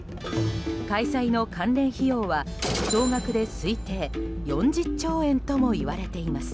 開催の関連費用は総額で推定４０兆円とも言われています。